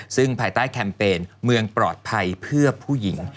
ซึ่งภายใต้แคมเปญเมืองปลอดภัยเพื่อผู้หญิง